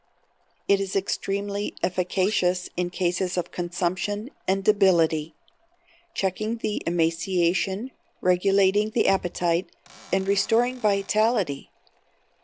It is extremely efficacious in cases of consumption and debility, checking the emaciation, regulating the appetite, and restoring vitality.